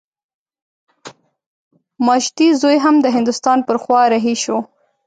ماجتي زوی هم د هندوستان پر خوا رهي شو.